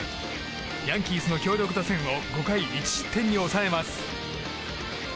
ヤンキースの強力打線を５回１失点に抑えます。